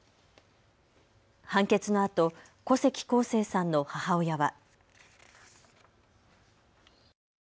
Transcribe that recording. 判決のあと、古関耕成さんの母親は。